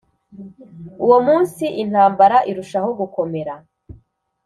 Uwo munsi intambara irushaho gukomera